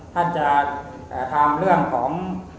ท่านจะทำเรื่องของ